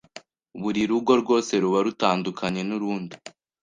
Buri rugo rwose ruba rutandukanye n’urundi